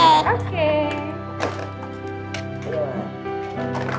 dibawa dibawa dibawa semuanya